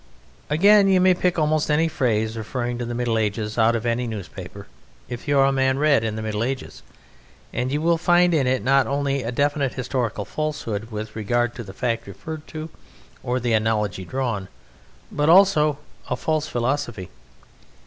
Again, you may pick almost any phrase referring to the Middle Ages out of any newspaper if you are a man read in the Middle Ages and you will find in it not only a definite historical falsehood with regard to the fact referred to, or the analogy drawn, but also a false philosophy.